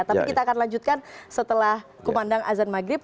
tapi kita akan lanjutkan setelah kumandang azan maghrib